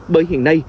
bởi hiện nay